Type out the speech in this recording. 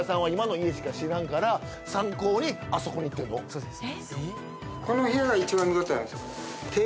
そうです